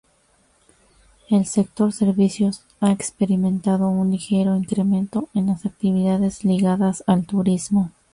El sector servicios, ha experimentado un ligero incremento en las actividades ligadas al turismo.